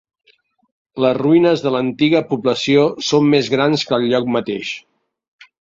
Les ruïnes de l'antiga població són més grans que el lloc mateix.